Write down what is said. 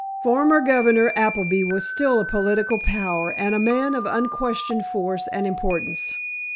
Former Governor Appleby was still a political power and a man of unquestioned force and importance.